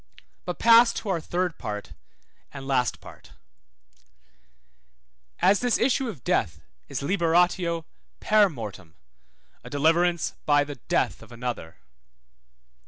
But pass to our third part and last part: As this issue of death is liberatio per mortem, a deliverance by the death of another.